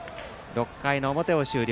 ６回の表を終了。